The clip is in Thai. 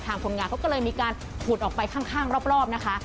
คนงานเขาก็เลยมีการขุดออกไปข้างรอบนะคะ